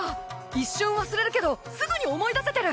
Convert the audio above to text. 一瞬忘れるけどすぐに思い出せてる。